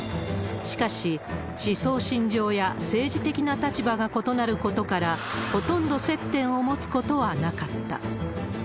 しかし、思想信条や政治的な立場が異なることから、ほとんど接点を持つことはなかった。